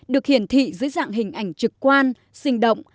được hiển thị dưới dạng hình ảnh trực quan sinh động